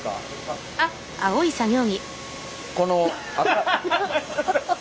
この。